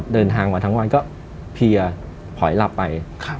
เดินทางมาทั้งวันก็เพียถอยหลับไป